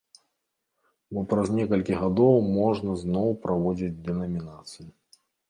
Бо праз некалькі гадоў можна зноў праводзіць дэнамінацыю.